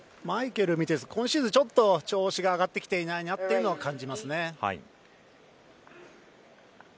マイケルを見てると今シーズンちょっと調子が上がってきていないなと感じますね。